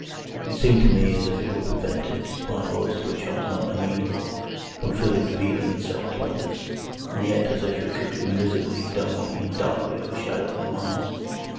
It seemed to me as if it were prevented, by laws to which I was not amenable, from fully revealing itself to others, and yet as if it could invisibly, dumbly, and darkly overshadow their minds.